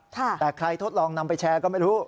แต่ใครทดลองนำไปแชร์ก็ไม่รู้